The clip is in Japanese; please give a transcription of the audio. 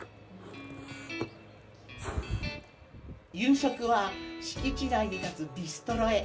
夕食は敷地内に立つビストロへ。